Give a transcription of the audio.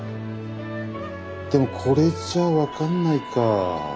でもこれじゃ分かんないか。